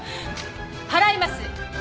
払います！